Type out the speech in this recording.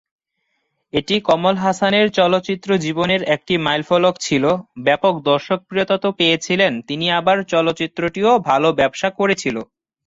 এটি কমল হাসানের চলচ্চিত্র জীবনের একটি মাইলফলক ছিলো, ব্যাপক দর্শকপ্রিয়তা তো পেয়েছিলেন তিনি আবার চলচ্চিত্রটিও ভালো ব্যবসা করেছিলো।